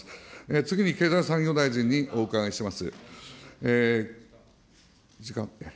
次に経済産業大臣にお伺いします。